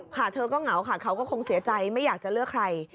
เธอก็เหงาค่ะเขาก็คงเสียใจไม่อยากจะเลือกใคร